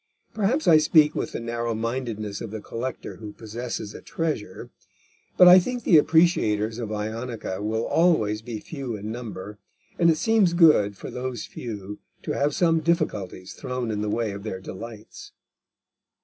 Perhaps I speak with the narrow mindedness of the collector who possesses a treasure; but I think the appreciators of Ionica will always be few in number, and it seems good for those few to have some difficulties thrown in the way of their delights.